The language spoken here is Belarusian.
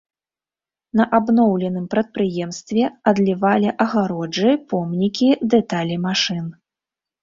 На абноўленым прадпрыемстве адлівалі агароджы, помнікі, дэталі машын.